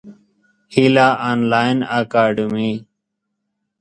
هیله انلاین اکاډمي.